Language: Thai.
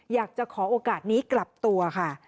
อยากจะขอโอกาสนี้กลับตัวค่ะ